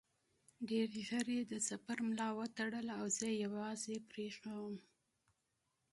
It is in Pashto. ډېر ژر یې د سفر ملا وتړله او زه یې یوازې پرېښودم.